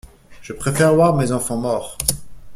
Je préfère voir mes enfants morts.